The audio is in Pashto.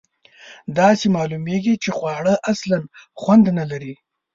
داسې معلومیږي چې خواړه اصلآ خوند نه لري.